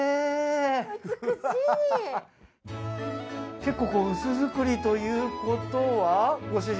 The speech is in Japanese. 結構薄造りということはご主人。